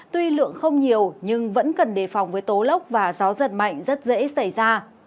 tuy lượng không nhiều nhưng vẫn cần đề phòng với tố lốc và gió giật mạnh rất dễ xảy ra